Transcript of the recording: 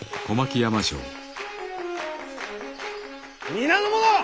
皆の者！